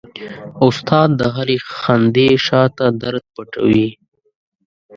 استاد د هرې خندې شاته درد پټوي.